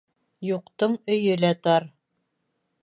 Юҡтың өйө лә тар.